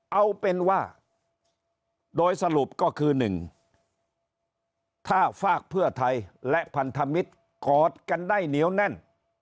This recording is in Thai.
เอาเป็นว่าโดยสรุปก็คือ๑ถ้าฝากเพื่อไทยและพันธมิตรกอดกันได้เหนียวแน่น